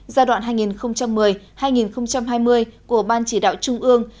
giai đoạn hai nghìn một mươi hai nghìn hai mươi của ban chỉ đạo trung ương